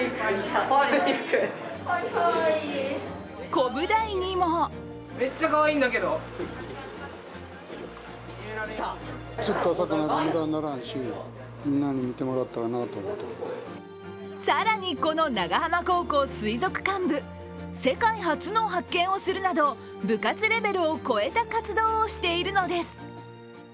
コブダイにも更に、この長浜高校水族館部、世界初の発見をするなど部活レベルを超えた活動をしているのです。